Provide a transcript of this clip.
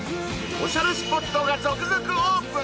おしゃれスポットが続々オープン